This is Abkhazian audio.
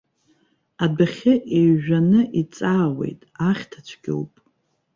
Адәахьы еиҩжәаны иҵаауеит, ахьҭа цәгьоуп.